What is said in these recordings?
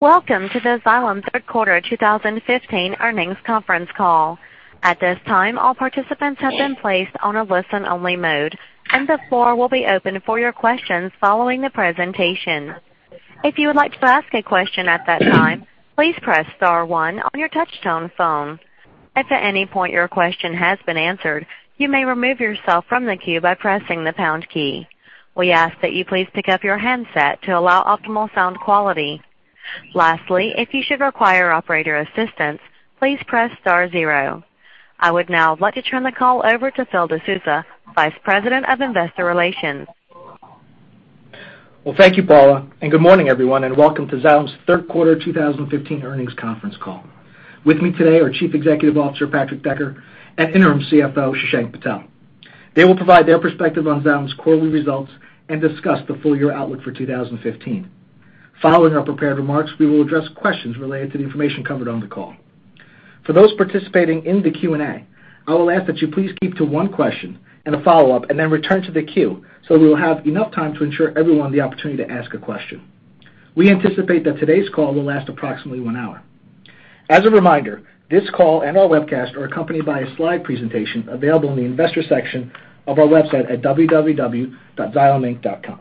Welcome to the Xylem third quarter 2015 earnings conference call. At this time, all participants have been placed on a listen-only mode, and the floor will be open for your questions following the presentation. If you would like to ask a question at that time, please press star one on your touch-tone phone. If at any point your question has been answered, you may remove yourself from the queue by pressing the pound key. We ask that you please pick up your handset to allow optimal sound quality. Lastly, if you should require operator assistance, please press star zero. I would now like to turn the call over to Phil De Sousa, Vice President of Investor Relations. Well, thank you, Paula, and good morning, everyone, and welcome to Xylem's third quarter 2015 earnings conference call. With me today are Chief Executive Officer, Patrick Decker, and Interim CFO, Shashank Patel. They will provide their perspective on Xylem's quarterly results and discuss the full-year outlook for 2015. Following our prepared remarks, we will address questions related to the information covered on the call. For those participating in the Q&A, I will ask that you please keep to one question and a follow-up and then return to the queue so we will have enough time to ensure everyone the opportunity to ask a question. We anticipate that today's call will last approximately one hour. As a reminder, this call and our webcast are accompanied by a slide presentation available in the investor section of our website at www.xyleminc.com.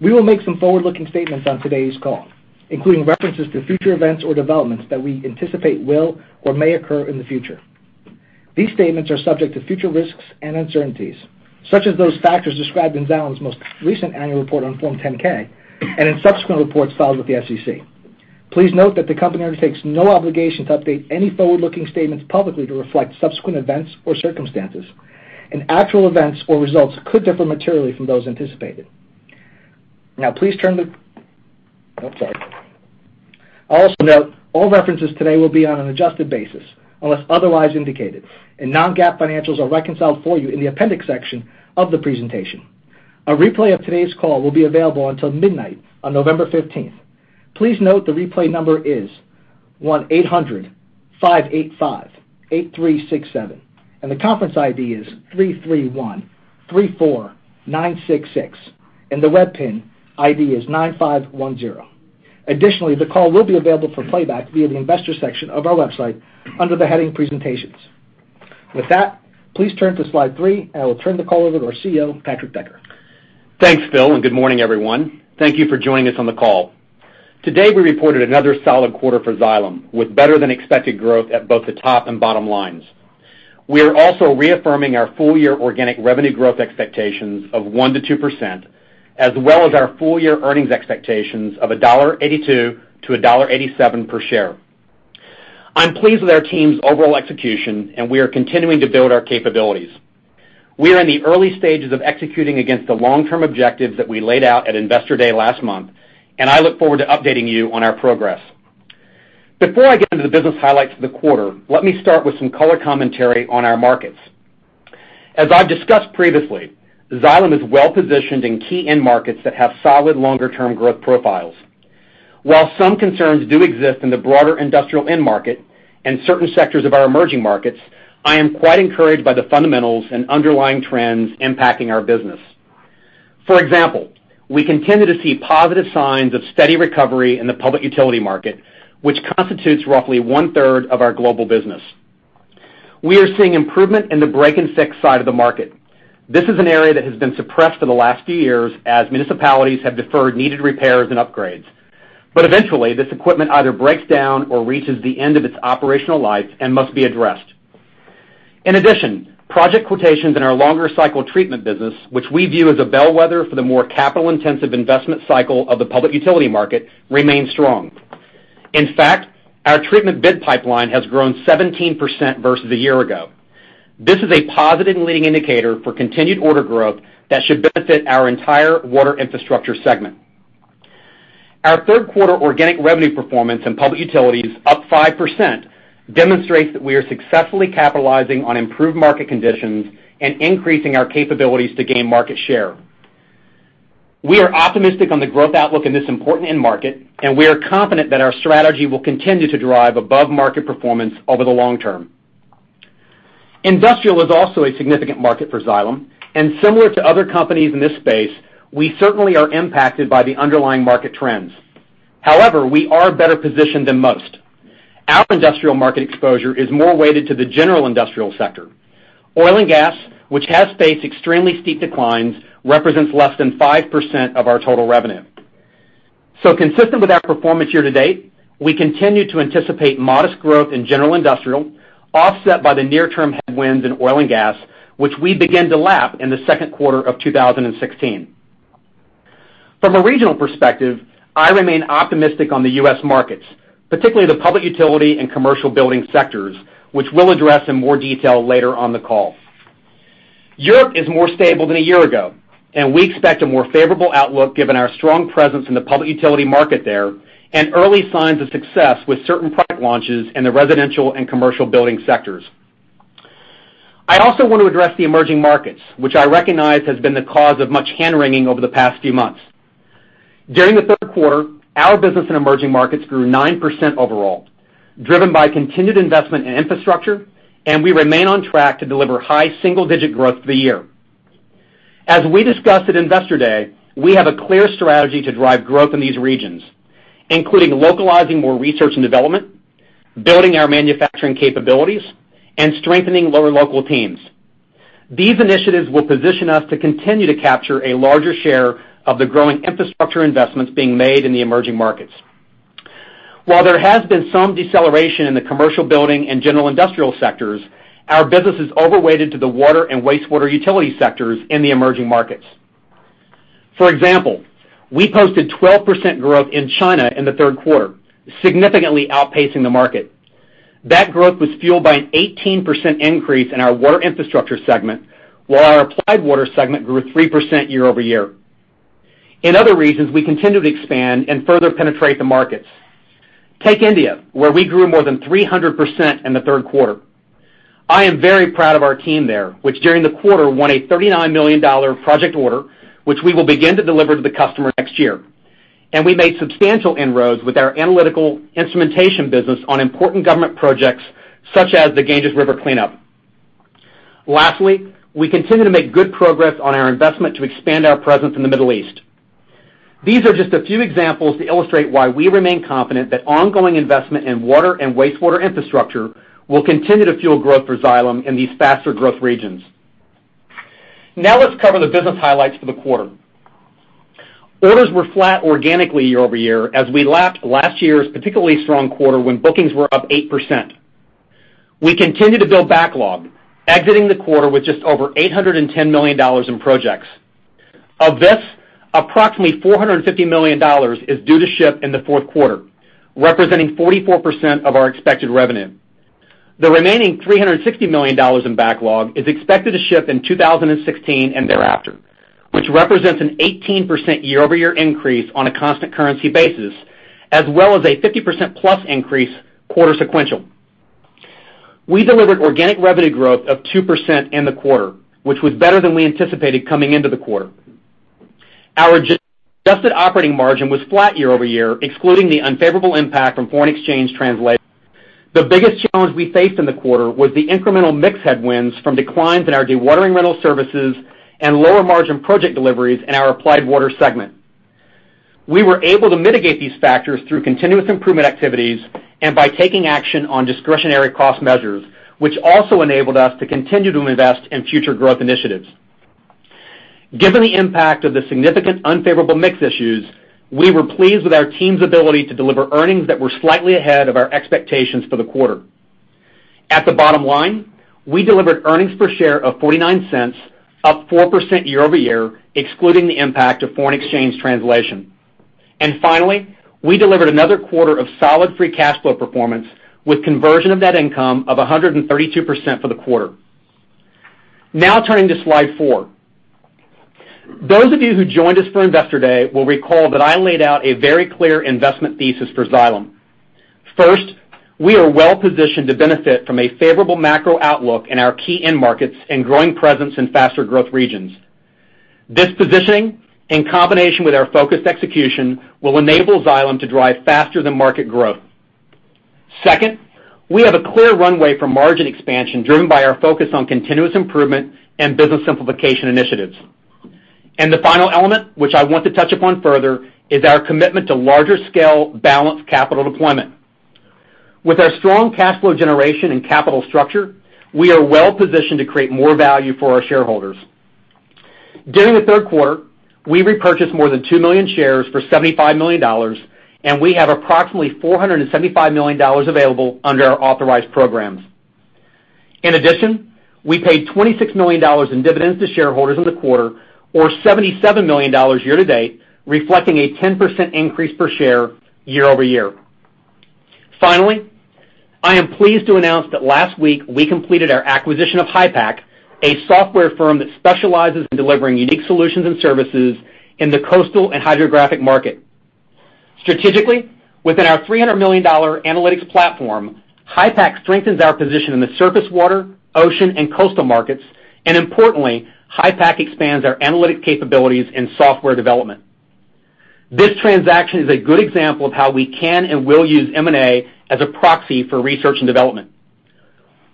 We will make some forward-looking statements on today's call, including references to future events or developments that we anticipate will or may occur in the future. These statements are subject to future risks and uncertainties, such as those factors described in Xylem's most recent annual report on Form 10-K and in subsequent reports filed with the SEC. Please note that the company undertakes no obligation to update any forward-looking statements publicly to reflect subsequent events or circumstances, and actual events or results could differ materially from those anticipated. I'll also note all references today will be on an adjusted basis unless otherwise indicated, and non-GAAP financials are reconciled for you in the appendix section of the presentation. A replay of today's call will be available until midnight on November 15th. Please note the replay number is 1-800-585-8367, and the conference ID is 33134966, and the web pin ID is 9510. Additionally, the call will be available for playback via the investors section of our website under the heading presentations. With that, please turn to slide three, and I will turn the call over to our CEO, Patrick Decker. Thanks, Phil. Good morning, everyone. Thank you for joining us on the call. Today, we reported another solid quarter for Xylem, with better than expected growth at both the top and bottom lines. We are also reaffirming our full-year organic revenue growth expectations of 1%-2%, as well as our full-year earnings expectations of $1.82-$1.87 per share. I'm pleased with our team's overall execution. We are continuing to build our capabilities. We are in the early stages of executing against the long-term objectives that we laid out at Investor Day last month. I look forward to updating you on our progress. Before I get into the business highlights for the quarter, let me start with some color commentary on our markets. As I've discussed previously, Xylem is well-positioned in key end markets that have solid longer-term growth profiles. While some concerns do exist in the broader industrial end market and certain sectors of our emerging markets, I am quite encouraged by the fundamentals and underlying trends impacting our business. For example, we continue to see positive signs of steady recovery in the public utility market, which constitutes roughly one-third of our global business. We are seeing improvement in the break and fix side of the market. This is an area that has been suppressed for the last few years as municipalities have deferred needed repairs and upgrades. Eventually, this equipment either breaks down or reaches the end of its operational life and must be addressed. In addition, project quotations in our longer cycle treatment business, which we view as a bellwether for the more capital-intensive investment cycle of the public utility market, remain strong. In fact, our treatment bid pipeline has grown 17% versus a year ago. This is a positive leading indicator for continued order growth that should benefit our entire water infrastructure segment. Our third quarter organic revenue performance in public utilities, up 5%, demonstrates that we are successfully capitalizing on improved market conditions and increasing our capabilities to gain market share. We are optimistic on the growth outlook in this important end market. We are confident that our strategy will continue to drive above-market performance over the long term. Industrial is also a significant market for Xylem. Similar to other companies in this space, we certainly are impacted by the underlying market trends. However, we are better positioned than most. Our industrial market exposure is more weighted to the general industrial sector. Oil and gas, which has faced extremely steep declines, represents less than 5% of our total revenue. Consistent with our performance year to date, we continue to anticipate modest growth in general industrial, offset by the near-term headwinds in oil and gas, which we began to lap in the second quarter of 2016. From a regional perspective, I remain optimistic on the U.S. markets, particularly the public utility and commercial building sectors, which we'll address in more detail later on the call. Europe is more stable than a year ago. We expect a more favorable outlook given our strong presence in the public utility market there and early signs of success with certain product launches in the residential and commercial building sectors. I also want to address the emerging markets, which I recognize has been the cause of much hand-wringing over the past few months. During the third quarter, our business in emerging markets grew 9% overall, driven by continued investment in infrastructure, and we remain on track to deliver high single-digit growth for the year. As we discussed at Investor Day, we have a clear strategy to drive growth in these regions, including localizing more research and development, building our manufacturing capabilities, and strengthening local teams. These initiatives will position us to continue to capture a larger share of the growing infrastructure investments being made in the emerging markets. While there has been some deceleration in the commercial building and general industrial sectors, our business is overweighted to the water and wastewater utility sectors in the emerging markets. For example, we posted 12% growth in China in the third quarter, significantly outpacing the market. That growth was fueled by an 18% increase in our water infrastructure segment, while our applied water segment grew 3% year over year. In other regions, we continue to expand and further penetrate the markets. Take India, where we grew more than 300% in the third quarter. I am very proud of our team there, which during the quarter won a $39 million project order, which we will begin to deliver to the customer next year. We made substantial inroads with our analytical instrumentation business on important government projects such as the Ganges River cleanup. Lastly, we continue to make good progress on our investment to expand our presence in the Middle East. These are just a few examples to illustrate why we remain confident that ongoing investment in water and wastewater infrastructure will continue to fuel growth for Xylem in these faster growth regions. Now let's cover the business highlights for the quarter. Orders were flat organically year over year as we lapped last year's particularly strong quarter when bookings were up 8%. We continued to build backlog, exiting the quarter with just over $810 million in projects. Of this, approximately $450 million is due to ship in the fourth quarter, representing 44% of our expected revenue. The remaining $360 million in backlog is expected to ship in 2016 and thereafter, which represents an 18% year over year increase on a constant currency basis, as well as a 50% plus increase quarter sequential. We delivered organic revenue growth of 2% in the quarter, which was better than we anticipated coming into the quarter. Our adjusted operating margin was flat year over year, excluding the unfavorable impact from foreign exchange translation. The biggest challenge we faced in the quarter was the incremental mix headwinds from declines in our dewatering rental services and lower margin project deliveries in our applied water segment. We were able to mitigate these factors through continuous improvement activities and by taking action on discretionary cost measures, which also enabled us to continue to invest in future growth initiatives. Given the impact of the significant unfavorable mix issues, we were pleased with our team's ability to deliver earnings that were slightly ahead of our expectations for the quarter. At the bottom line, we delivered earnings per share of $0.49, up 4% year over year, excluding the impact of foreign exchange translation. Finally, we delivered another quarter of solid free cash flow performance with conversion of that income of 132% for the quarter. Now turning to slide four. Those of you who joined us for Investor Day will recall that I laid out a very clear investment thesis for Xylem. First, we are well positioned to benefit from a favorable macro outlook in our key end markets and growing presence in faster growth regions. This positioning, in combination with our focused execution, will enable Xylem to drive faster than market growth. Second, we have a clear runway for margin expansion driven by our focus on continuous improvement and business simplification initiatives. The final element, which I want to touch upon further, is our commitment to larger scale balanced capital deployment. With our strong cash flow generation and capital structure, we are well positioned to create more value for our shareholders. During the third quarter, we repurchased more than 2 million shares for $75 million, and we have approximately $475 million available under our authorized programs. In addition, we paid $26 million in dividends to shareholders in the quarter, or $77 million year-to-date, reflecting a 10% increase per share year-over-year. Finally, I am pleased to announce that last week we completed our acquisition of HYPACK, a software firm that specializes in delivering unique solutions and services in the coastal and hydrographic market. Strategically, within our $300 million analytics platform, HYPACK strengthens our position in the surface water, ocean, and coastal markets, and importantly, HYPACK expands our analytic capabilities in software development. This transaction is a good example of how we can and will use M&A as a proxy for research and development.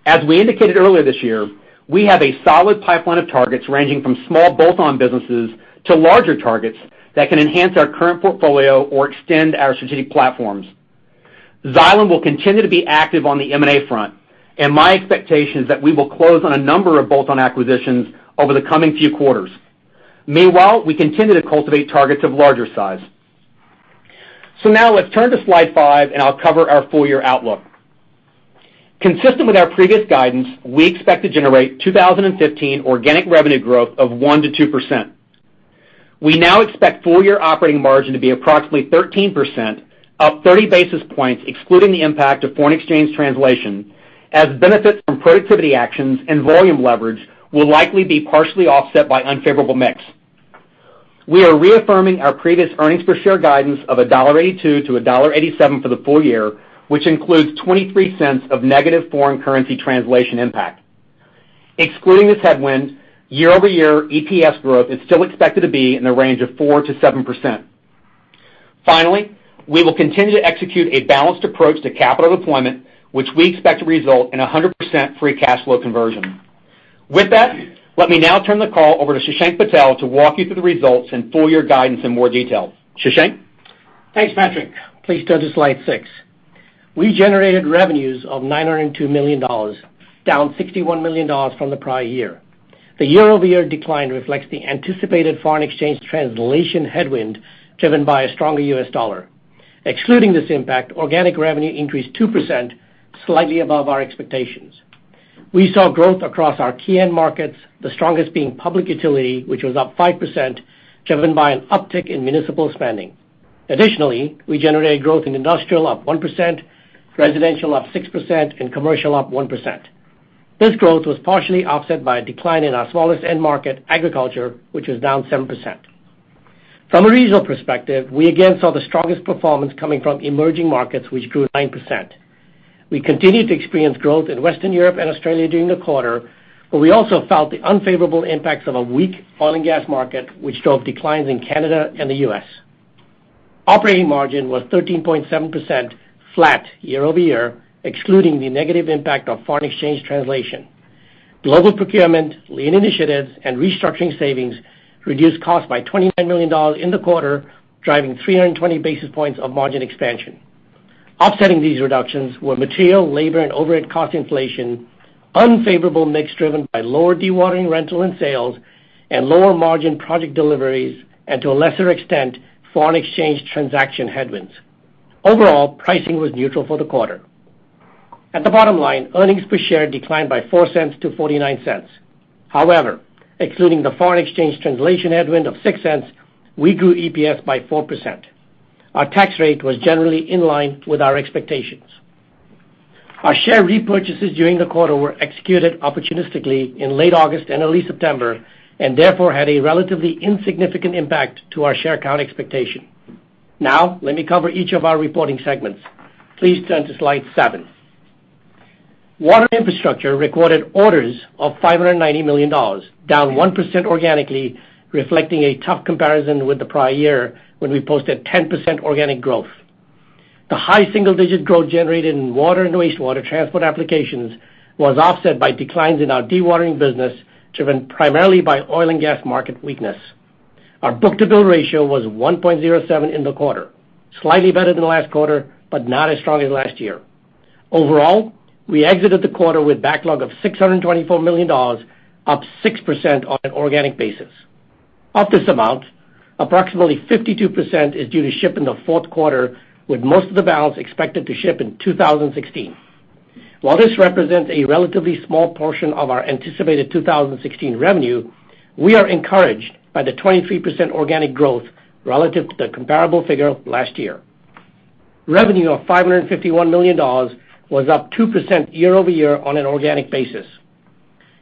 As we indicated earlier this year, we have a solid pipeline of targets ranging from small bolt-on businesses to larger targets that can enhance our current portfolio or extend our strategic platforms. Xylem will continue to be active on the M&A front, my expectation is that we will close on a number of bolt-on acquisitions over the coming few quarters. Meanwhile, we continue to cultivate targets of larger size. Now let's turn to slide five, I'll cover our full year outlook. Consistent with our previous guidance, we expect to generate 2015 organic revenue growth of 1%-2%. We now expect full year operating margin to be approximately 13%, up 30 basis points excluding the impact of foreign exchange translation, as benefits from productivity actions and volume leverage will likely be partially offset by unfavorable mix. We are reaffirming our previous earnings per share guidance of $1.82-$1.87 for the full year, which includes $0.23 of negative foreign currency translation impact. Excluding this headwind, year-over-year EPS growth is still expected to be in the range of 4%-7%. Finally, we will continue to execute a balanced approach to capital deployment, which we expect to result in 100% free cash flow conversion. With that, let me now turn the call over to Shashank Patel to walk you through the results and full year guidance in more detail. Shashank? Thanks, Patrick. Please turn to slide seven. We generated revenues of $902 million, down $61 million from the prior year. The year-over-year decline reflects the anticipated foreign exchange translation headwind driven by a stronger US dollar. Excluding this impact, organic revenue increased 2%, slightly above our expectations. We saw growth across our key end markets, the strongest being public utility, which was up 5%, driven by an uptick in municipal spending. Additionally, we generated growth in industrial up 1%, residential up 6%, and commercial up 1%. This growth was partially offset by a decline in our smallest end market, agriculture, which was down 7%. From a regional perspective, we again saw the strongest performance coming from emerging markets, which grew 9%. We continued to experience growth in Western Europe and Australia during the quarter. We also felt the unfavorable impacts of a weak oil and gas market, which drove declines in Canada and the U.S. Operating margin was 13.7% flat year-over-year, excluding the negative impact of foreign exchange translation. Global procurement, lean initiatives, and restructuring savings reduced costs by $29 million in the quarter, driving 320 basis points of margin expansion. Offsetting these reductions were material, labor, and overhead cost inflation, unfavorable mix driven by lower dewatering rental and sales, and lower margin project deliveries. To a lesser extent, foreign exchange transaction headwinds. Overall, pricing was neutral for the quarter. At the bottom line, earnings per share declined by $0.04 to $0.49. However, excluding the foreign exchange translation headwind of $0.06, we grew EPS by 4%. Our tax rate was generally in line with our expectations. Our share repurchases during the quarter were executed opportunistically in late August and early September. Therefore, had a relatively insignificant impact to our share count expectation. Now, let me cover each of our reporting segments. Please turn to slide seven. Water infrastructure recorded orders of $590 million, down 1% organically, reflecting a tough comparison with the prior year when we posted 10% organic growth. The high single-digit growth generated in water and wastewater transport applications was offset by declines in our dewatering business, driven primarily by oil and gas market weakness. Our book-to-bill ratio was 1.07 in the quarter, slightly better than last quarter, but not as strong as last year. Overall, we exited the quarter with backlog of $624 million, up 6% on an organic basis. Of this amount, approximately 52% is due to ship in the fourth quarter, with most of the balance expected to ship in 2016. While this represents a relatively small portion of our anticipated 2016 revenue, we are encouraged by the 23% organic growth relative to the comparable figure last year. Revenue of $551 million was up 2% year-over-year on an organic basis.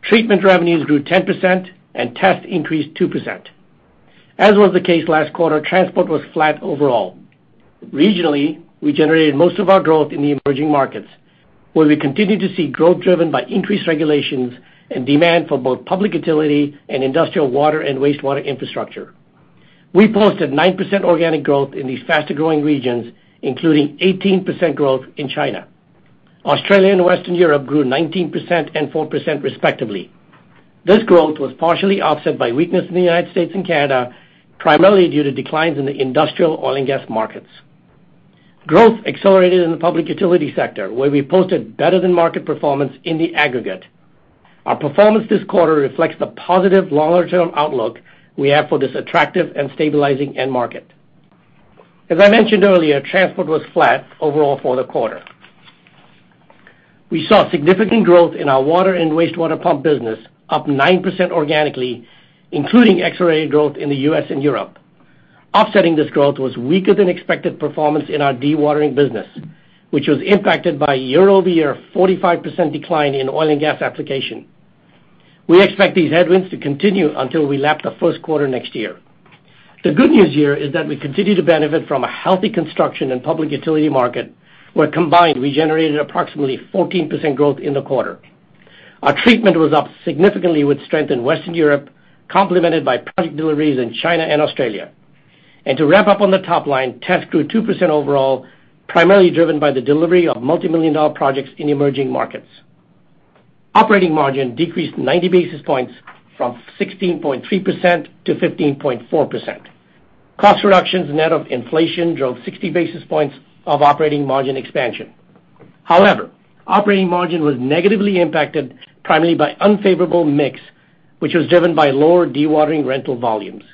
Treatment revenues grew 10% and test increased 2%. As was the case last quarter, transport was flat overall. Regionally, we generated most of our growth in the emerging markets, where we continued to see growth driven by increased regulations and demand for both public utility and industrial water and wastewater infrastructure. We posted 9% organic growth in these faster-growing regions, including 18% growth in China. Australia and Western Europe grew 19% and 4%, respectively. This growth was partially offset by weakness in the U.S. and Canada, primarily due to declines in the industrial oil and gas markets. Growth accelerated in the public utility sector, where we posted better-than-market performance in the aggregate. Our performance this quarter reflects the positive longer-term outlook we have for this attractive and stabilizing end market. As I mentioned earlier, transport was flat overall for the quarter. We saw significant growth in our water and wastewater pump business, up 9% organically, including accelerated growth in the U.S. and Europe. Offsetting this growth was weaker-than-expected performance in our dewatering business, which was impacted by year-over-year 45% decline in oil and gas application. We expect these headwinds to continue until we lap the first quarter next year. The good news here is that we continue to benefit from a healthy construction and public utility market, where combined, we generated approximately 14% growth in the quarter. Our treatment was up significantly with strength in Western Europe, complemented by project deliveries in China and Australia. To wrap up on the top line, test grew 2% overall, primarily driven by the delivery of multimillion-dollar projects in emerging markets. Operating margin decreased 90 basis points from 16.3% to 15.4%. Cost reductions net of inflation drove 60 basis points of operating margin expansion. Operating margin was negatively impacted primarily by unfavorable mix, which was driven by lower dewatering rental volumes.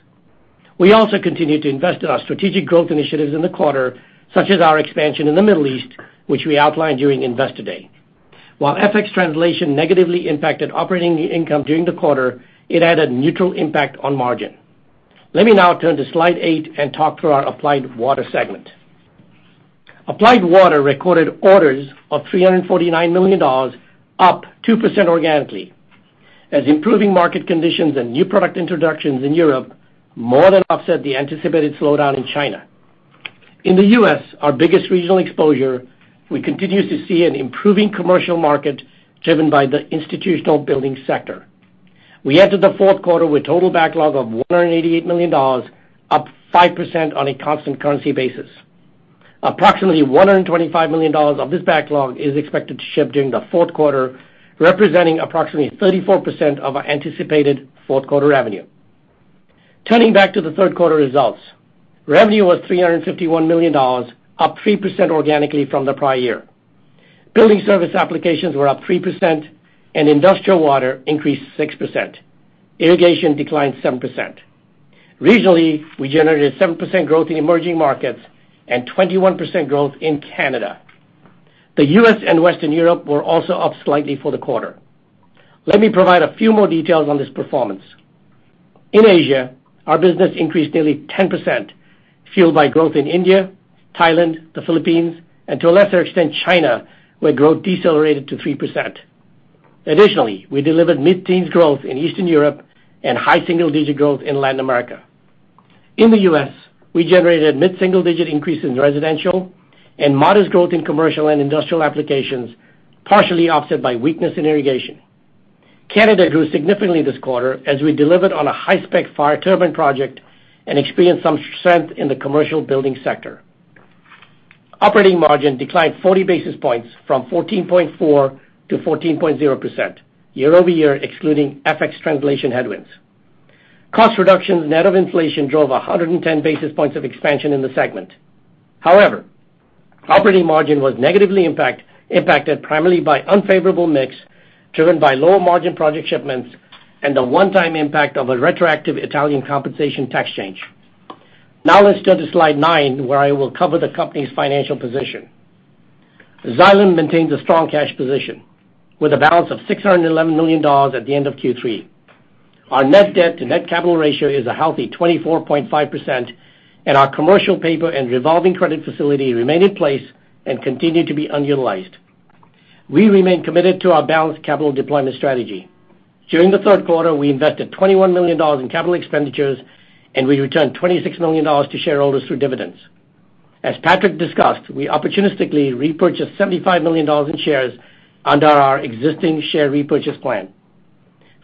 We also continued to invest in our strategic growth initiatives in the quarter, such as our expansion in the Middle East, which we outlined during Investor Day. While FX translation negatively impacted operating income during the quarter, it had a neutral impact on margin. Let me now turn to slide eight and talk through our Applied Water segment. Applied Water recorded orders of $349 million, up 2% organically, as improving market conditions and new product introductions in Europe more than offset the anticipated slowdown in China. In the U.S., our biggest regional exposure, we continue to see an improving commercial market driven by the institutional building sector. We entered the fourth quarter with total backlog of $188 million, up 5% on a constant currency basis. Approximately $125 million of this backlog is expected to ship during the fourth quarter, representing approximately 34% of our anticipated fourth quarter revenue. Turning back to the third quarter results, revenue was $351 million, up 3% organically from the prior year. Building service applications were up 3%, and industrial water increased 6%. Irrigation declined 7%. Regionally, we generated 7% growth in emerging markets and 21% growth in Canada. The U.S. and Western Europe were also up slightly for the quarter. Let me provide a few more details on this performance. In Asia, our business increased nearly 10%, fueled by growth in India, Thailand, the Philippines, and to a lesser extent, China, where growth decelerated to 3%. Additionally, we delivered mid-teens growth in Eastern Europe and high single-digit growth in Latin America. In the U.S., we generated mid-single-digit increase in residential and modest growth in commercial and industrial applications, partially offset by weakness in irrigation. Canada grew significantly this quarter as we delivered on a high-spec fire turbine project and experienced some strength in the commercial building sector. Operating margin declined 40 basis points from 14.4% to 14.0% year-over-year, excluding FX translation headwinds. Cost reductions net of inflation drove 110 basis points of expansion in the segment. However, operating margin was negatively impacted primarily by unfavorable mix, driven by lower margin project shipments and the one-time impact of a retroactive Italian compensation tax change. Now, let's turn to slide nine, where I will cover the company's financial position. Xylem maintains a strong cash position with a balance of $611 million at the end of Q3. Our net debt to net capital ratio is a healthy 24.5%, and our commercial paper and revolving credit facility remain in place and continue to be unutilized. We remain committed to our balanced capital deployment strategy. During the third quarter, we invested $21 million in capital expenditures, and we returned $26 million to shareholders through dividends. As Patrick discussed, we opportunistically repurchased $75 million in shares under our existing share repurchase plan.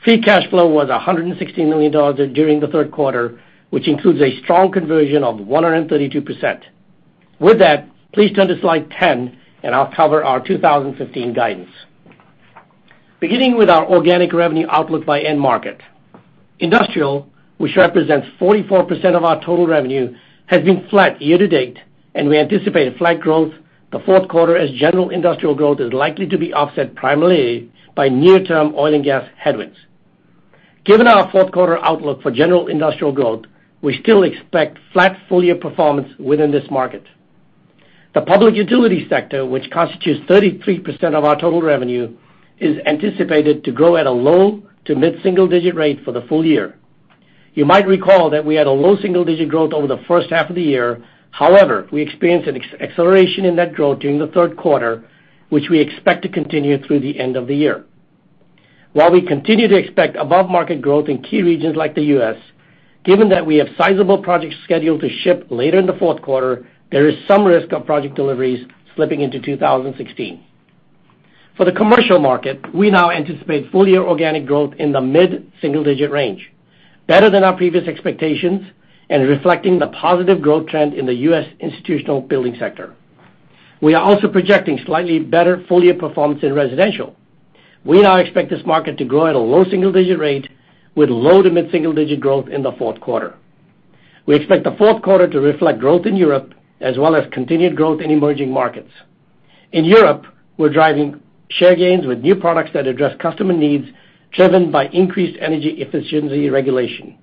Free cash flow was $116 million during the third quarter, which includes a strong conversion of 132%. With that, please turn to slide 10, and I'll cover our 2015 guidance. Beginning with our organic revenue outlook by end market. Industrial, which represents 44% of our total revenue, has been flat year-to-date, and we anticipate a flat growth the fourth quarter as general industrial growth is likely to be offset primarily by near-term oil and gas headwinds. Given our fourth quarter outlook for general industrial growth, we still expect flat full-year performance within this market. The public utility sector, which constitutes 33% of our total revenue, is anticipated to grow at a low to mid-single digit rate for the full year. You might recall that we had a low single digit growth over the first half of the year. However, we experienced an acceleration in that growth during the third quarter, which we expect to continue through the end of the year. While we continue to expect above-market growth in key regions like the U.S., given that we have sizable projects scheduled to ship later in the fourth quarter, there is some risk of project deliveries slipping into 2016. For the commercial market, we now anticipate full-year organic growth in the mid-single digit range, better than our previous expectations and reflecting the positive growth trend in the U.S. institutional building sector. We are also projecting slightly better full-year performance in residential. We now expect this market to grow at a low single digit rate with low to mid-single digit growth in the fourth quarter. We expect the fourth quarter to reflect growth in Europe as well as continued growth in emerging markets. In Europe, we're driving share gains with new products that address customer needs, driven by increased energy efficiency regulation.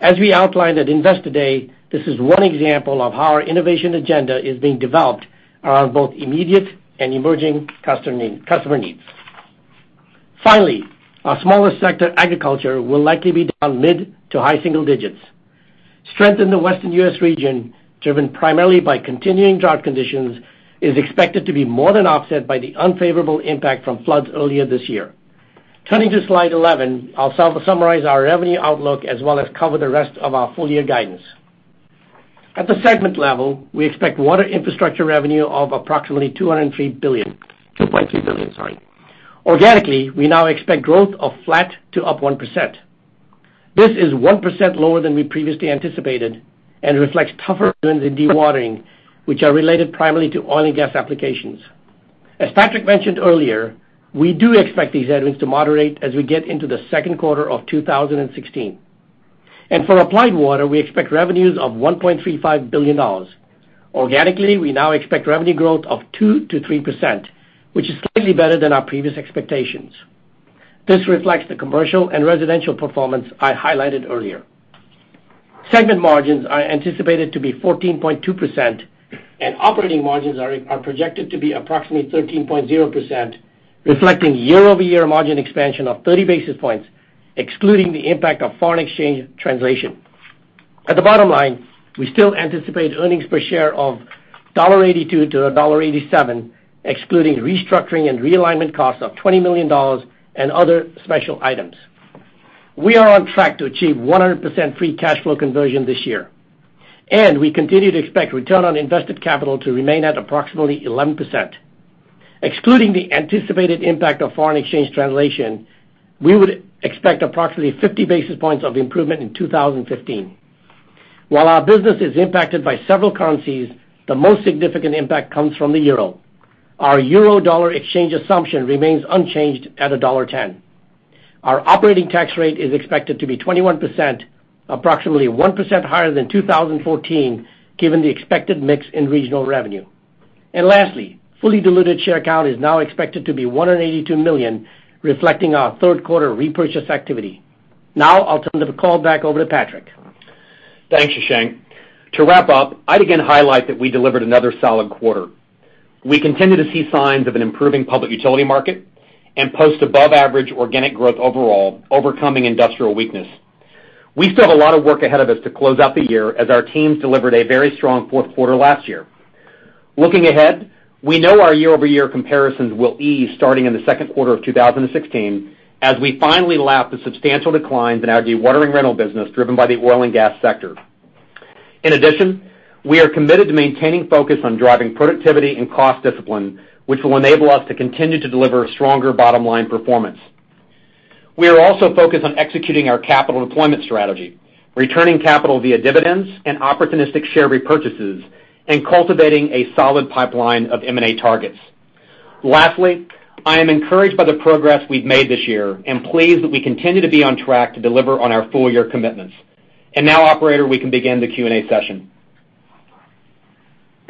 As we outlined at Investor Day, this is one example of how our innovation agenda is being developed around both immediate and emerging customer needs. Finally, our smaller sector, agriculture, will likely be down mid to high single digits. Strength in the Western U.S. region, driven primarily by continuing drought conditions, is expected to be more than offset by the unfavorable impact from floods earlier this year. Turning to slide 11, I'll summarize our revenue outlook as well as cover the rest of our full year guidance. At the segment level, we expect water infrastructure revenue of approximately $2.3 billion, sorry. Organically, we now expect growth of flat to up 1%. This is 1% lower than we previously anticipated and reflects tougher in dewatering, which are related primarily to oil and gas applications. As Patrick mentioned earlier, we do expect these headwinds to moderate as we get into the second quarter of 2016. For Applied Water, we expect revenues of $1.35 billion. Organically, we now expect revenue growth of 2%-3%, which is slightly better than our previous expectations. This reflects the commercial and residential performance I highlighted earlier. Segment margins are anticipated to be 14.2%, and operating margins are projected to be approximately 13.0%, reflecting year-over-year margin expansion of 30 basis points, excluding the impact of foreign exchange translation. At the bottom line, we still anticipate earnings per share of $1.82-$1.87, excluding restructuring and realignment costs of $20 million and other special items. We are on track to achieve 100% free cash flow conversion this year. We continue to expect return on invested capital to remain at approximately 11%. Excluding the anticipated impact of foreign exchange translation, we would expect approximately 50 basis points of improvement in 2015. While our business is impacted by several currencies, the most significant impact comes from the euro. Our euro dollar exchange assumption remains unchanged at $1.10. Our operating tax rate is expected to be 21%, approximately 1% higher than 2014, given the expected mix in regional revenue. Lastly, fully diluted share count is now expected to be 182 million, reflecting our third quarter repurchase activity. I'll turn the call back over to Patrick. Thanks, Shashank. To wrap up, I'd again highlight that we delivered another solid quarter. We continue to see signs of an improving public utility market and post above average organic growth overall, overcoming industrial weakness. We still have a lot of work ahead of us to close out the year as our teams delivered a very strong fourth quarter last year. Looking ahead, we know our year-over-year comparisons will ease starting in the second quarter of 2016 as we finally lap the substantial declines in our dewatering rental business driven by the oil and gas sector. In addition, we are committed to maintaining focus on driving productivity and cost discipline, which will enable us to continue to deliver stronger bottom line performance. We are also focused on executing our capital deployment strategy, returning capital via dividends and opportunistic share repurchases, and cultivating a solid pipeline of M&A targets. Lastly, I am encouraged by the progress we've made this year and pleased that we continue to be on track to deliver on our full year commitments. Now operator, we can begin the Q&A session.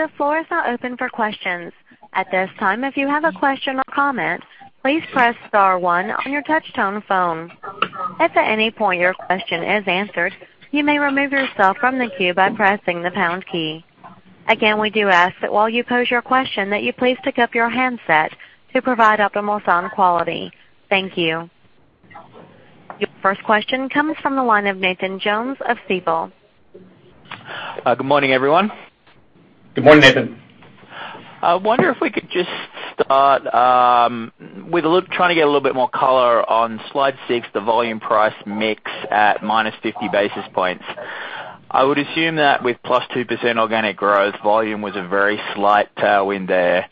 The floor is now open for questions. At this time, if you have a question or comment, please press star one on your touchtone phone. If at any point your question is answered, you may remove yourself from the queue by pressing the pound key. Again, we do ask that while you pose your question, that you please pick up your handset to provide optimal sound quality. Thank you. Your first question comes from the line of Nathan Jones of Stifel. Good morning, everyone. Good morning, Nathan. I wonder if we could just start with trying to get a little bit more color on slide six, the volume price mix at -50 basis points. I would assume that with +2% organic growth, volume was a very slight tailwind there.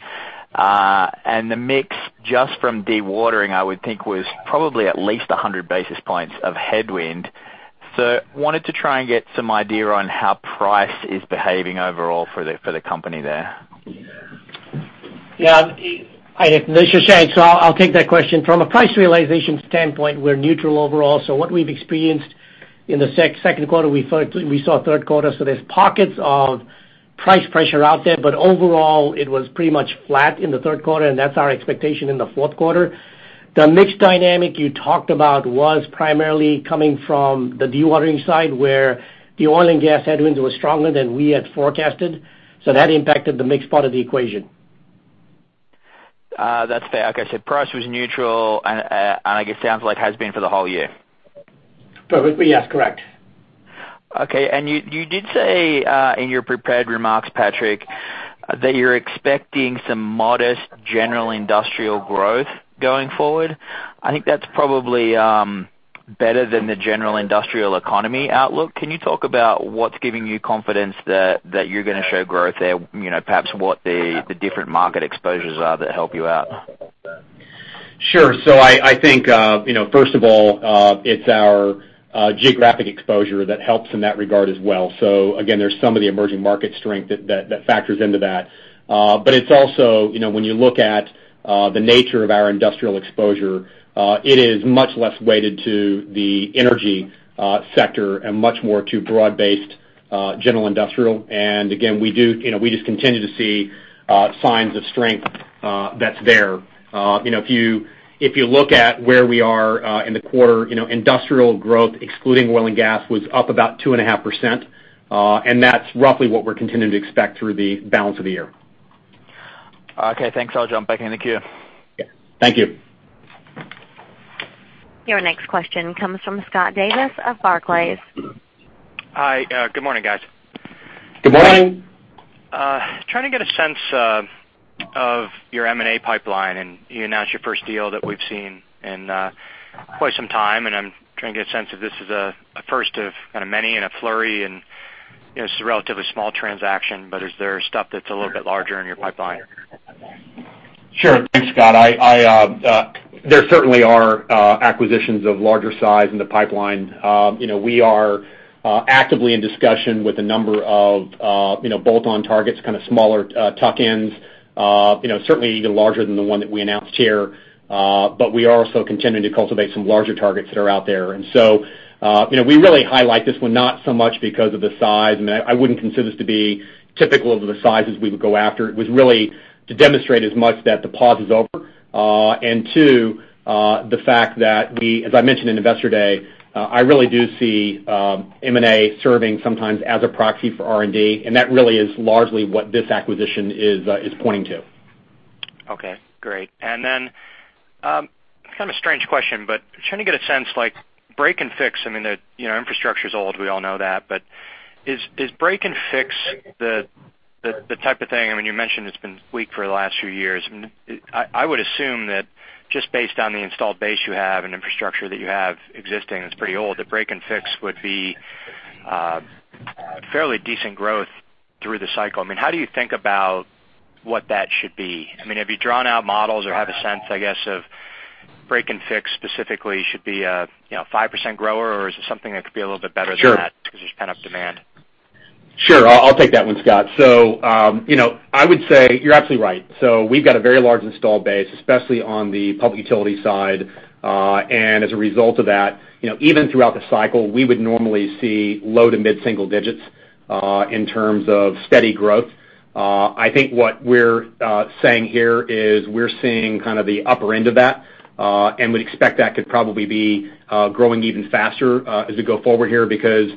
The mix just from dewatering, I would think was probably at least 100 basis points of headwind. Wanted to try and get some idea on how price is behaving overall for the company there. This is Shashank. I'll take that question. From a price realization standpoint, we're neutral overall. What we've experienced in the second quarter, we saw third quarter. There's pockets of price pressure out there, but overall, it was pretty much flat in the third quarter, and that's our expectation in the fourth quarter. The mix dynamic you talked about was primarily coming from the dewatering side, where the oil and gas headwinds were stronger than we had forecasted. That impacted the mix part of the equation. That's fair. Price was neutral and I guess sounds like has been for the whole year. Perfectly, yes, correct. You did say in your prepared remarks, Patrick, that you're expecting some modest general industrial growth going forward. I think that's probably better than the general industrial economy outlook. Can you talk about what's giving you confidence that you're gonna show growth there? Perhaps what the different market exposures are that help you out. Sure. I think first of all, it's our geographic exposure that helps in that regard as well. Again, there's some of the emerging market strength that factors into that. It's also when you look at the nature of our industrial exposure, it is much less weighted to the energy sector and much more to broad based general industrial. Again, we just continue to see signs of strength that's there. If you look at where we are in the quarter, industrial growth excluding oil and gas was up about 2.5%, and that's roughly what we're continuing to expect through the balance of the year. Okay, thanks. I'll jump back in the queue. Thank you. Your next question comes from Scott Davis of Barclays. Hi. Good morning, guys. Good morning. Trying to get a sense of your M&A pipeline. You announced your first deal that we've seen in quite some time. I'm trying to get a sense if this is a first of kind of many in a flurry. It's a relatively small transaction, is there stuff that's a little bit larger in your pipeline? Sure. Thanks, Scott. There certainly are acquisitions of larger size in the pipeline. We are actively in discussion with a number of bolt-on targets, kind of smaller tuck-ins. Certainly even larger than the one that we announced here. We are also continuing to cultivate some larger targets that are out there. We really highlight this one, not so much because of the size. I wouldn't consider this to be typical of the sizes we would go after. It was really to demonstrate as much that the pause is over. Two, the fact that we, as I mentioned in Investor Day, I really do see M&A serving sometimes as a proxy for R&D. That really is largely what this acquisition is pointing to. Okay, great. Kind of a strange question, but trying to get a sense, like break and fix, infrastructure's old, we all know that, but is break and fix the type of thing, you mentioned it's been weak for the last few years. I would assume that just based on the installed base you have and infrastructure that you have existing that's pretty old, that break and fix would be fairly decent growth through the cycle. How do you think about what that should be? Have you drawn out models or have a sense, I guess, of break and fix specifically should be a 5% grower, or is it something that could be a little bit better than that- Sure because there's pent-up demand? Sure. I'll take that one, Scott. I would say you're absolutely right. We've got a very large installed base, especially on the public utility side. As a result of that, even throughout the cycle, we would normally see low to mid-single digits, in terms of steady growth. I think what we're saying here is we're seeing the upper end of that, and we'd expect that could probably be growing even faster as we go forward here, because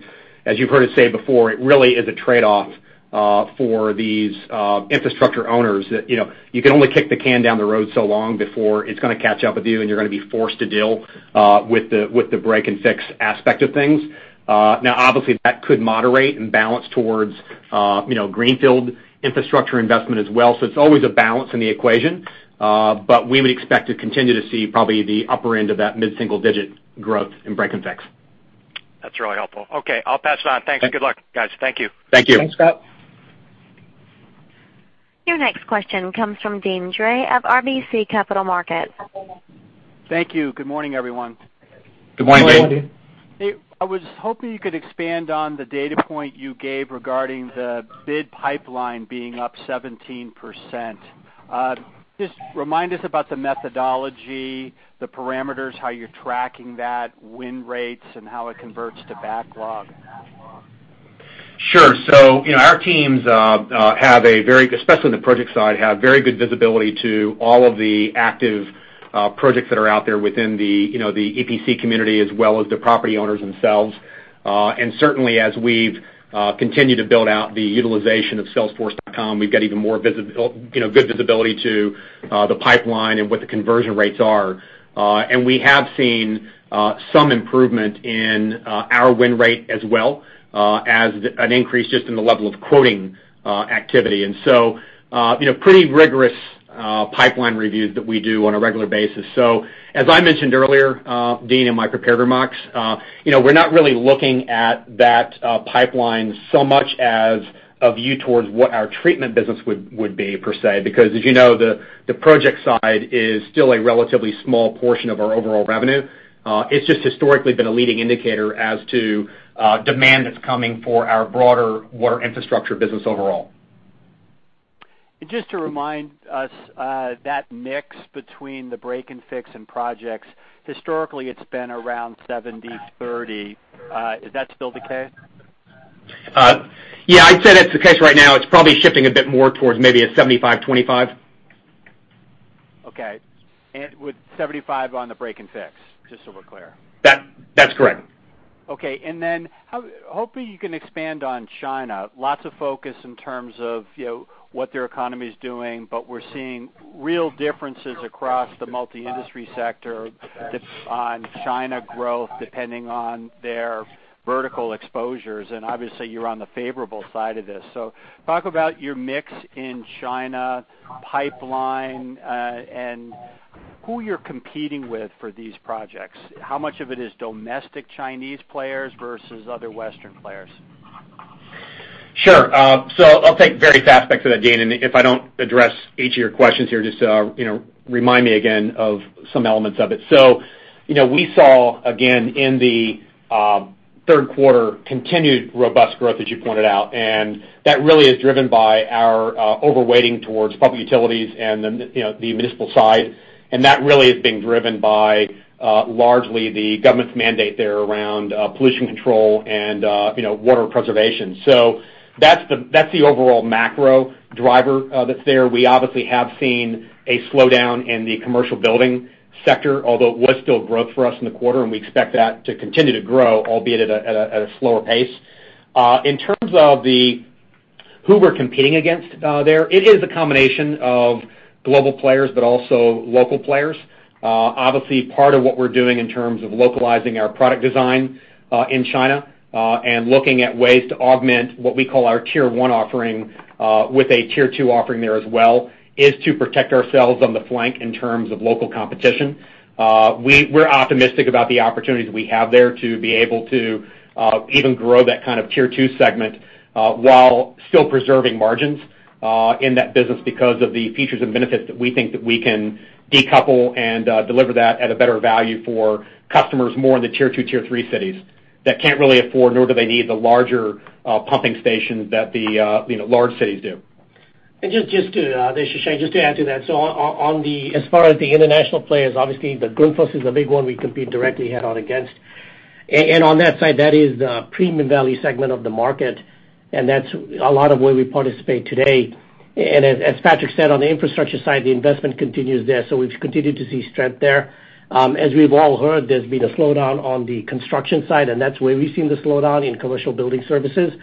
as you've heard us say before, it really is a trade-off for these infrastructure owners that you can only kick the can down the road so long before it's going to catch up with you and you're going to be forced to deal with the break and fix aspect of things. Now, obviously, that could moderate and balance towards greenfield infrastructure investment as well. It's always a balance in the equation. We would expect to continue to see probably the upper end of that mid-single-digit growth in break and fix. That's really helpful. Okay, I'll pass it on. Thanks. Good luck, guys. Thank you. Thank you. Thanks, Scott. Your next question comes from Deane Dray of RBC Capital Markets. Thank you. Good morning, everyone. Good morning. Good morning. I was hoping you could expand on the data point you gave regarding the bid pipeline being up 17%. Just remind us about the methodology, the parameters, how you're tracking that, win rates, and how it converts to backlog. Sure. Our teams, especially on the project side, have very good visibility to all of the active projects that are out there within the EPC community, as well as the property owners themselves. Certainly, as we've continued to build out the utilization of Salesforce, we've got even more good visibility to the pipeline and what the conversion rates are. We have seen some improvement in our win rate as well as an increase just in the level of quoting activity. Pretty rigorous pipeline reviews that we do on a regular basis. As I mentioned earlier, Deane, in my prepared remarks, we're not really looking at that pipeline so much as a view towards what our treatment business would be, per se. Because as you know, the project side is still a relatively small portion of our overall revenue. It's just historically been a leading indicator as to demand that's coming for our broader water infrastructure business overall. Just to remind us, that mix between the break and fix and projects, historically it's been around 70/30. Is that still the case? Yeah, I'd say that's the case right now. It's probably shifting a bit more towards maybe a 75/25. Okay. With 75 on the break and fix, just so we're clear. That's correct. Okay. Hoping you can expand on China. Lots of focus in terms of what their economy is doing, but we're seeing real differences across the multi-industry sector on China growth depending on their vertical exposures. Obviously, you're on the favorable side of this. Talk about your mix in China pipeline, and who you're competing with for these projects. How much of it is domestic Chinese players versus other Western players? Sure. I'll take various aspects of that, Deane, if I don't address each of your questions here, just remind me again of some elements of it. We saw, again, in the third quarter, continued robust growth as you pointed out, that really is driven by our overweighting towards public utilities and the municipal side. That really is being driven by largely the government's mandate there around pollution control and water preservation. That's the overall macro driver that's there. We obviously have seen a slowdown in the commercial building sector, although it was still growth for us in the quarter, we expect that to continue to grow, albeit at a slower pace. In terms of who we're competing against there, it is a combination of global players also local players. Obviously, part of what we're doing in terms of localizing our product design in China, and looking at ways to augment what we call our tier 1 offering, with a tier 2 offering there as well, is to protect ourselves on the flank in terms of local competition. We're optimistic about the opportunities we have there to be able to even grow that kind of tier 2 segment, while still preserving margins in that business because of the features and benefits that we think that we can decouple and deliver that at a better value for customers more in the tier 2, tier 3 cities that can't really afford, nor do they need the larger pumping stations that the large cities do. This is Shashank, just to add to that. As far as the international players, obviously the Grundfos is a big one we compete directly head-on against. On that side, that is the premium value segment of the market, and that's a lot of where we participate today. As Patrick said, on the infrastructure side, the investment continues there. We've continued to see strength there. As we've all heard, there's been a slowdown on the construction side, and that's where we've seen the slowdown in commercial building services.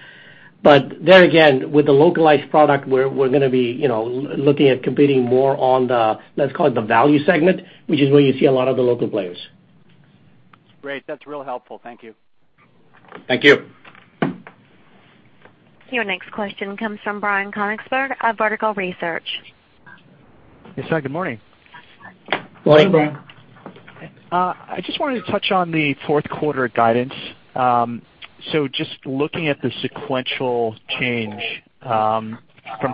There again, with the localized product, we're going to be looking at competing more on the, let's call it, the value segment, which is where you see a lot of the local players. Great. That's real helpful. Thank you. Thank you. Your next question comes from Brian Konigsberg of Vertical Research. Yes. Good morning. Morning. I just wanted to touch on the fourth quarter guidance. Just looking at the sequential change from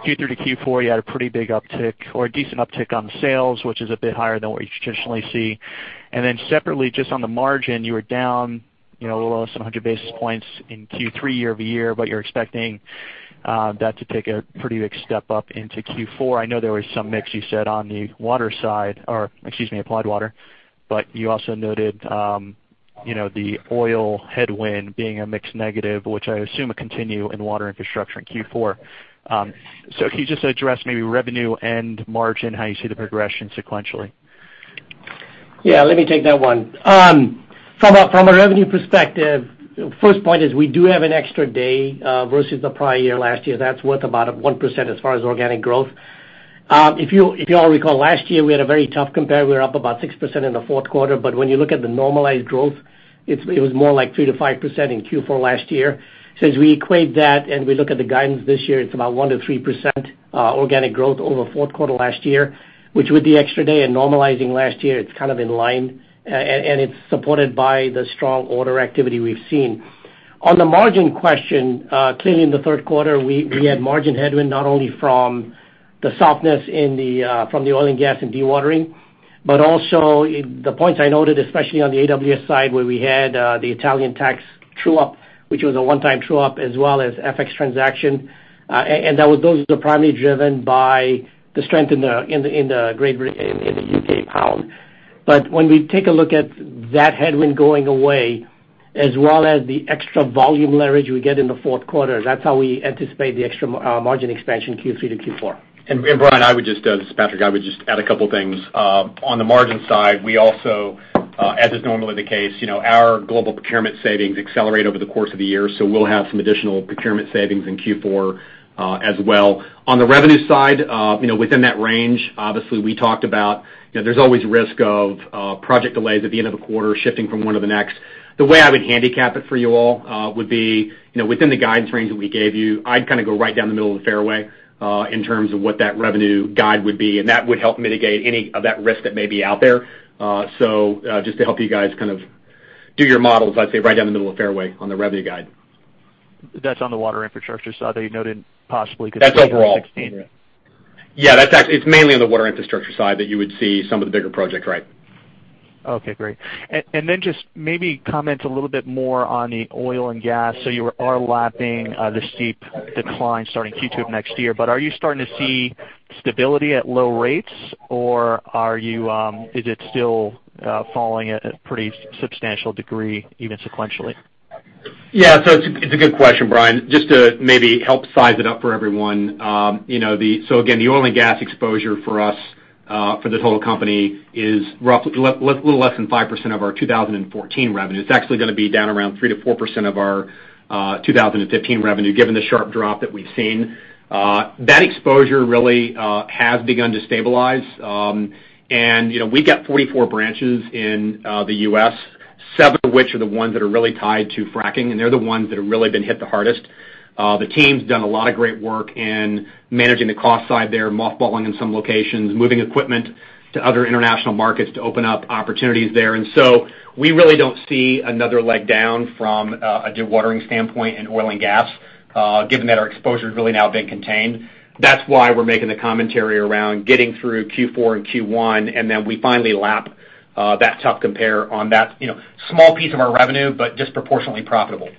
Q3 to Q4, you had a pretty big uptick or a decent uptick on the sales, which is a bit higher than what you traditionally see. Separately, just on the margin, you were down a little less than 100 basis points in Q3 year-over-year, but you're expecting that to take a pretty big step up into Q4. I know there was some mix you said on the water side, or excuse me, Applied Water, but you also noted the oil headwind being a mix negative, which I assume will continue in water infrastructure in Q4. If you just address maybe revenue and margin, how you see the progression sequentially. Let me take that one. From a revenue perspective, first point is we do have an extra day versus the prior year, last year. That's worth about 1% as far as organic growth. If you all recall, last year, we had a very tough compare. We were up about 6% in the fourth quarter, but when you look at the normalized growth, it was more like 3%-5% in Q4 last year. Since we equate that and we look at the guidance this year, it's about 1%-3% organic growth over fourth quarter last year, which with the extra day and normalizing last year, it's kind of in line, and it's supported by the strong order activity we've seen. On the margin question, clearly in the third quarter, we had margin headwind not only from the softness from the oil and gas and dewatering, but also the points I noted, especially on the AWS side, where we had the Italian tax true-up, which was a one-time true-up, as well as FX transaction. Those are primarily driven by the strength in the U.K. pound. When we take a look at that headwind going away, as well as the extra volume leverage we get in the fourth quarter, that's how we anticipate the extra margin expansion Q3 to Q4. Brian, this is Patrick, I would just add a couple things. On the margin side, we also, as is normally the case, our global procurement savings accelerate over the course of the year, we'll have some additional procurement savings in Q4 as well. On the revenue side, within that range, obviously, we talked about there's always risk of project delays at the end of a quarter, shifting from one to the next. The way I would handicap it for you all would be, within the guidance range that we gave you, I'd go right down the middle of the fairway in terms of what that revenue guide would be. That would help mitigate any of that risk that may be out there. Just to help you guys do your models, I'd say right down the middle of fairway on the revenue guide. That's on the water infrastructure side that you noted possibly. That's overall. Yeah. It's mainly on the water infrastructure side that you would see some of the bigger projects. Right. Just maybe comment a little bit more on the oil and gas. You are lapping the steep decline starting Q2 of next year. Are you starting to see stability at low rates, or is it still falling at a pretty substantial degree, even sequentially? Yeah. It's a good question, Brian. Just to maybe help size it up for everyone. Again, the oil and gas exposure for us for the total company is a little less than 5% of our 2014 revenue. It's actually going to be down around 3%-4% of our 2015 revenue, given the sharp drop that we've seen. That exposure really has begun to stabilize. We got 44 branches in the U.S., seven of which are the ones that are really tied to fracking, and they're the ones that have really been hit the hardest. The team's done a lot of great work in managing the cost side there, mothballing in some locations, moving equipment to other international markets to open up opportunities there. We really don't see another leg down from a dewatering standpoint in oil and gas given that our exposure has really now been contained. That's why we're making the commentary around getting through Q4 and Q1, we finally lap that tough compare on that small piece of our revenue, but disproportionately profitable.